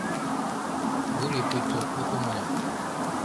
— Гурий пуйто ок умыло.